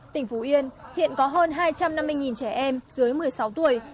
tỉnh phú yên hiện có hơn hai trăm năm mươi trẻ em dưới một mươi sáu tuổi